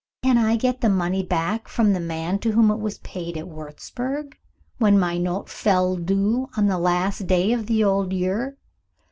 "Can I get the money back from the man to whom it was paid at Wurzburg, when my note fell due on the last day of the old year?